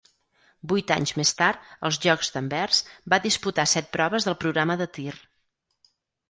Vuit anys més tard, als Jocs d'Anvers, va disputar set proves del programa de tir.